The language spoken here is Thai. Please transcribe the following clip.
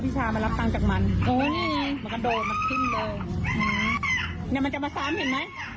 รถมามีตัวหนึ่ง